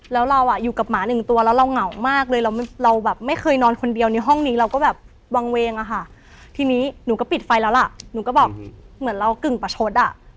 แล้วเราอ่ะอยู่กับหมาหนึ่งตัว